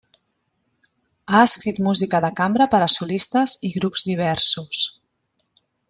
Ha escrit música de cambra per a solistes i grups diversos.